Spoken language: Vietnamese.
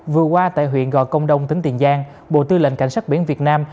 vừa qua tại huyện gò công đông tỉnh tiền giang bộ tư lệnh cảnh sát biển việt nam